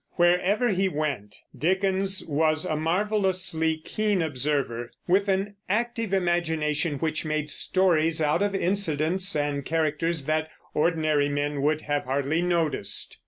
Wherever he went, Dickens was a marvelously keen observer, with an active imagination which made stories out of incidents and characters that ordinary men would have hardly noticed.